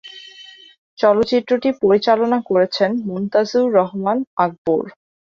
চলচ্চিত্রটি পরিচালনা করেছেন মনতাজুর রহমান আকবর।